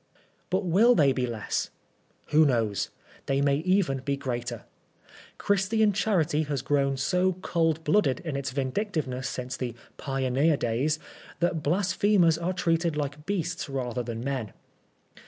" But will they be less? Who knows? They may even be greater. Christian charity has grown so cold blooded in its vindictiveness since the * pioneer days* that blasphemers are treated like beasts rather than men.